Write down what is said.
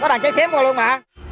có đàn cháy xém qua luôn mà